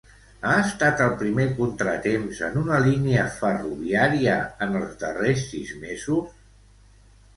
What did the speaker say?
Ha estat el primer contratemps en una línia ferroviària en els darrers sis mesos?